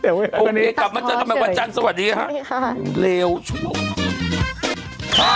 โอเคกลับมาเจอกันใหม่วันจันทร์สวัสดีฮะ